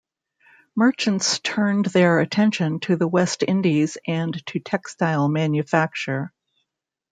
Merchants turned their attention to the West Indies and to textile manufacture.